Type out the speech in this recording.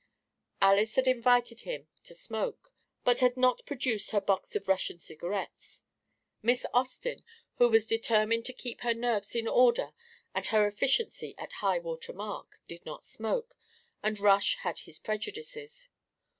Alys had invited him to smoke but had not produced her box of Russian cigarettes. Miss Austin, who was determined to keep her nerves in order and her efficiency at high water mark, did not smoke, and Rush had his prejudices.